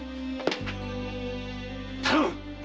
頼む！